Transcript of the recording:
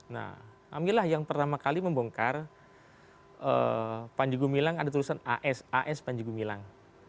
nah alhamdulillah yang pertama kali membongkar panjegu milang ada tulisan as as panjegu milang